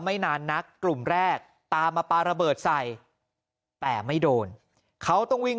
ไม่นานนักกลุ่มแรกตามมาปลาระเบิดใส่แต่ไม่โดนเขาต้องวิ่ง